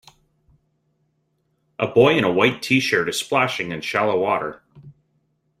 A boy in a white tshirt is splashing in shallow water.